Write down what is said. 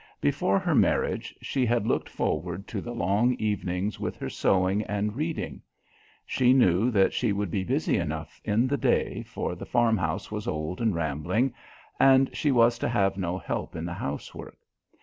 Before her marriage she had looked forward to the long evenings with her sewing and reading. She knew that she would be busy enough in the day, for the farmhouse was old and rambling, and she was to have no help in the housework.